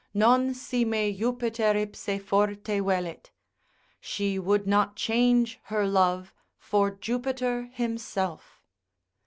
—non si me Jupiter ipse forte velit,—she would not change her love for Jupiter himself.